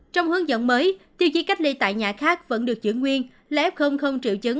trong hướng dẫn mới tiêu chí cách ly tại nhà khác vẫn được giữ nguyên là f không triệu chứng